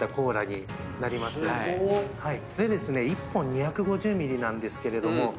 １本２５０ミリなんですけれども。